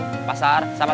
terima kasih komandan